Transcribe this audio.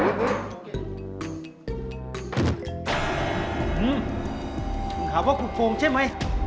หืมคุณถามว่าคุกฟูงใช่ไหม